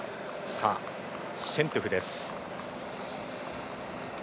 シェントゥフです。